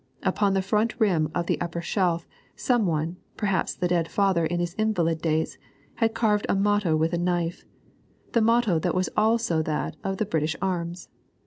Upon the front rim of the upper shelf some one, perhaps the dead father in his invalid days, had carved a motto with a knife, the motto that is also that of the British arms.